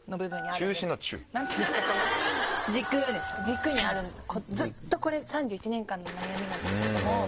軸にあるずっとこれ３１年間の悩みなんですけども。